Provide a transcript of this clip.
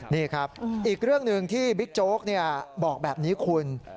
นี่ครับอีกเรื่องหนึ่งที่บิ๊กโจ๊กบอกแบบนี้คุณ